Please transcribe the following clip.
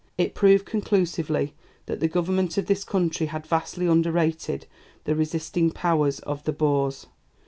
It proved conclusively that the Government of this country had vastly underrated the resisting powers of the Boers.